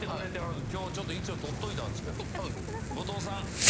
今日ちょっと一応取っといたんですけど。